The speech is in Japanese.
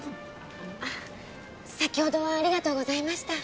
あっ先ほどはありがとうございました。